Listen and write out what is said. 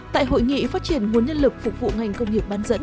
tại hội nghị phát triển nguồn nhân lực phục vụ ngành công nghiệp bán dẫn